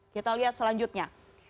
kita lihat selanjutnya